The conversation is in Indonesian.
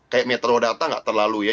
kayak metadata nggak terlalu ya